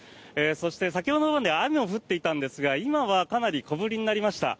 そして、先ほどまで雨も降っていたんですが今はかなり小降りになりました。